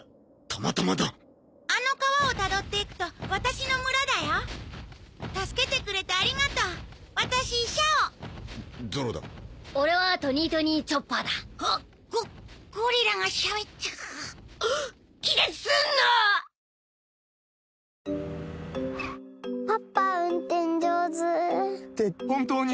またまだあの川をたどっていくと私の村だよ助けてくれてありがとう私シャオゾロだ俺はトニートニー・チョッパーだあっゴゴリラがしゃべった気絶すんなーッもうカッサカサよ